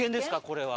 これは。